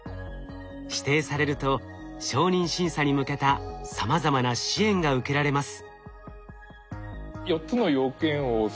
指定されると承認審査に向けたさまざまな支援が受けられます。